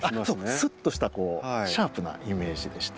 スッとしたシャープなイメージでして。